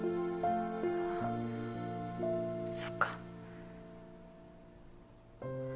そっか。